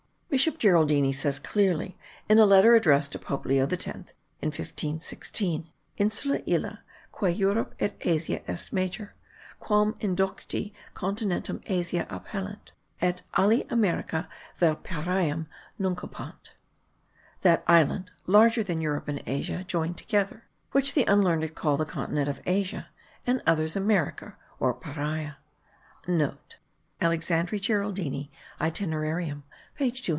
Bishop Geraldini says clearly, in a letter addressed to Pope Leo X in 1516: Insula illa, quae Europa et Asia est major, quam indocti Continentem Asiae appellant, et alii Americam vel Pariam nuncupant [that island, larger than Europe and Asia joined together, which the unlearned call the continent of Asia, and others America or Paria].* (* Alexandri Geraldini Itinerarium page 250.)